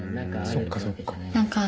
そっかそっか。